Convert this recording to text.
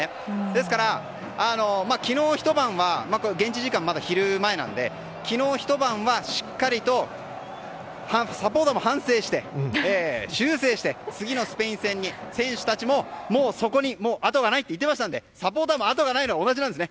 ですから昨日ひと晩は現地時間が昼前なので昨日ひと晩はしっかりとサポーターも反省して修正して、次のスペイン戦に選手たちももう、そこに後がないと言ってましたのでサポーターも後がないのは同じです。